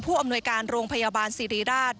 อำนวยการโรงพยาบาลสิริราช